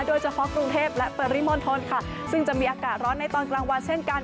โดยเฉพาะกรุงเทพและปริมณฑลค่ะซึ่งจะมีอากาศร้อนในตอนกลางวันเช่นกัน